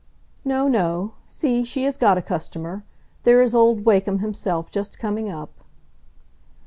"No, no; see, she has got a customer; there is old Wakem himself just coming up."